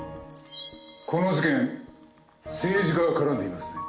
この事件政治家が絡んでいますね？